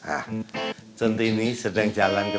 apalagi pak dicari docoknya juga panjang